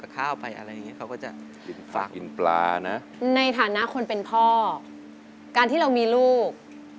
การที่เรามีลูก